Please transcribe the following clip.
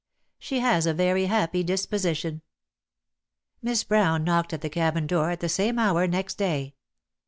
"She has a very happy disposition." Miss Brown knocked at the cabin door at the same hour next day.